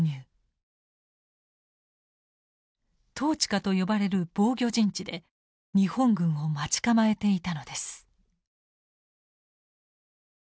トーチカと呼ばれる防御陣地で日本軍を待ち構えていたのです。